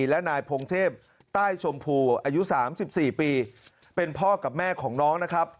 และนายพงเทพใต้ชมพูอายุ๓๔ปีเป็นพ่อกับแม่ของน้องนะครับ